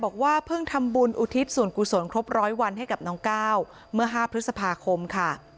กุศลครบ๑๐๐วันให้กับน้องก้าวเมื่อ๕พฤษภาคมค่ะ